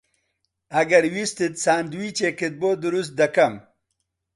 ئەگەر ویستت ساندویچێکت بۆ دروست دەکەم.